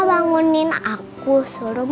bangunin aku suruh